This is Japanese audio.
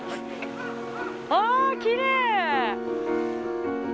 ああきれい！